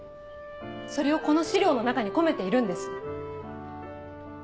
それをこの資料の中に込めているんです。